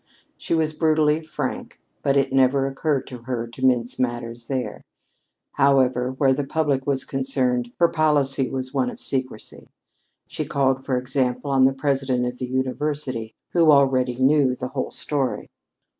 She was brutally frank, but it never occurred to her to mince matters there. However, where the public was concerned, her policy was one of secrecy. She called, for example, on the President of the University, who already knew the whole story.